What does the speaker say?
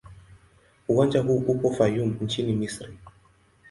Uwanja huu upo Fayoum nchini Misri.